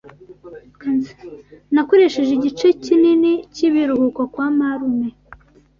Nakoresheje igice kinini cyibiruhuko kwa marume.